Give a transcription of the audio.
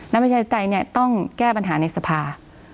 นักประชาธิปไตยต้องแก้ปัญหาในสภา